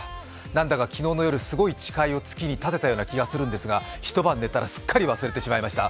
なんだか昨日の夜、すごい誓いを月に立てたような気がしますが一晩寝たら、すっかり忘れてしまいました。